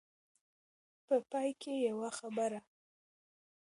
په پای کې يوه خبره.